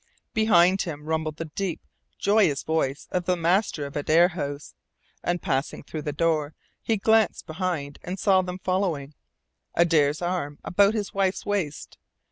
Behind him rumbled the deep, joyous voice of the master of Adare House, and passing through the door he glanced behind and saw them following, Adare's arm about his wife's waist.